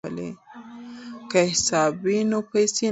که حساب وي نو پیسې نه کمیږي.